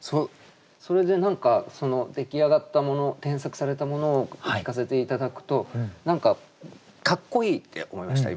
それで何か出来上がったもの添削されたものを聞かせて頂くと何かかっこいいって思いました